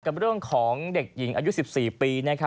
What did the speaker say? กับเรื่องของเด็กหญิงอายุ๑๔ปี